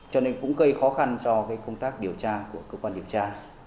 cho nên cũng gây khó khăn cho công tác điều tra của cơ quan điều tra